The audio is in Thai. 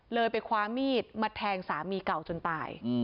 เลยไปคว้ามีดมาแทงสามีเก่าจนตาย